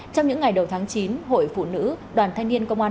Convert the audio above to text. trong những ngày đầu tháng chín hội phụ nữ đoàn thanh niên công an